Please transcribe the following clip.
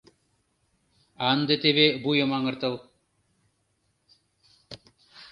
А ынде теве вуйым аҥыртыл.